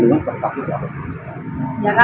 dari pertemuan tadi bu sedikit kok